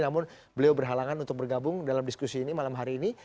namun beliau berhalangan untuk bergabung dalam diskusi ini malam hari ini